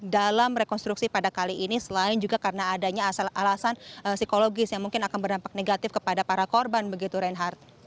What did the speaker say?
dalam rekonstruksi pada kali ini selain juga karena adanya alasan psikologis yang mungkin akan berdampak negatif kepada para korban begitu reinhardt